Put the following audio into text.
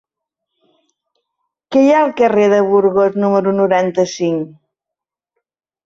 Què hi ha al carrer de Burgos número noranta-cinc?